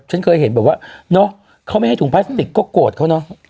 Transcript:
ฉันเกิดเห็นแบบว่าเค้าไม่ให้ถุงพลาสติกก็โกรธเค้าเนาะ